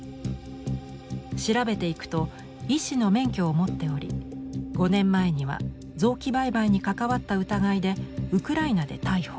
調べていくと医師の免許を持っており５年前には臓器売買に関わった疑いでウクライナで逮捕。